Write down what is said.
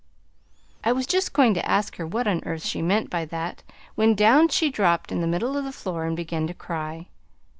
"I was just going to ask her what on earth she meant by that when down she dropped in the middle of the floor and began to cry.